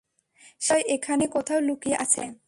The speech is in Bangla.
সে নিশ্চয়ই এখানে কোথাও লুকিয়ে আছে।